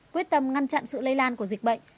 quyết tâm ngăn chặn sự lây lan của dịch bệnh